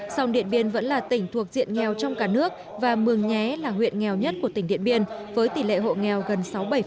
song điện biên vẫn là tỉnh thuộc diện nghèo trong cả nước và mường nhé là huyện nghèo nhất của tỉnh điện biên với tỷ lệ hộ nghèo gần sáu mươi bảy